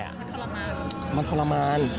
มันทรมานมันทรมาน